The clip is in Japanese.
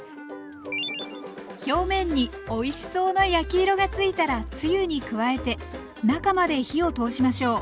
表面においしそうな焼き色がついたらつゆに加えて中まで火を通しましょう。